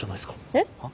えっ？